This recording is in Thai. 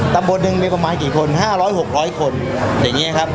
ตำบลหนึ่งมีประมาณกี่คนห้าร้อยหกร้อยคนอย่างเงี้ยครับ